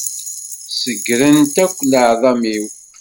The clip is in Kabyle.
Segrent akk leεḍam-iw.